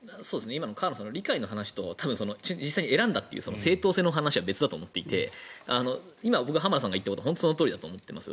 今の河野さんの理解の話と実際に選んだという正当性の話は別だと思っていて今、僕浜田さんが言ったことはそのとおりだと思います。